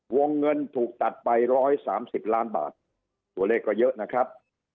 วงเงินถูกตัดไป๑๓๐ล้านบาทตัวเลขก็เยอะนะครับ